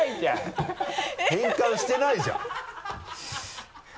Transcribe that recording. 変換してないじゃん。